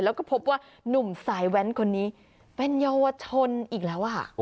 แล้วก็พบว่านุ่มสายแว้นคนนี้เป็นเยาวชนอีกแล้ว